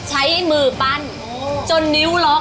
ใช้มือปั้นจนนิ้วล็อก